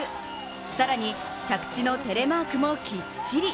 更に着地のテレマークもきっちり！